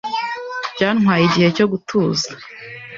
Byantwaye igihe cyo gutuza.